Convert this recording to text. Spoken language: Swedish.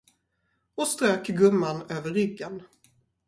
Och strök gumman över ryggen.